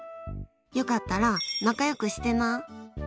よかったら仲良くしてな。